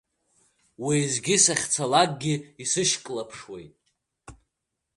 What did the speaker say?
Уеизгьы сахьцалакгьы исышьклаԥшуеит.